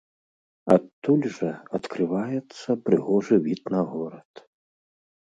Адтуль жа адкрываецца прыгожы від на горад.